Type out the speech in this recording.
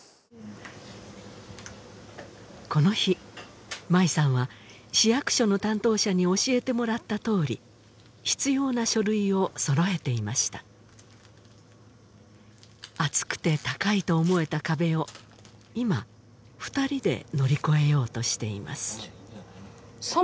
この日舞さんは市役所の担当者に教えてもらったとおり必要な書類を揃えていました厚くて高いと思えた壁を今二人で乗り越えようとしています「様」